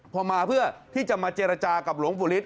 พอมาเพื่อที่จะมาเจรจากับหลวงปู่ฤทธ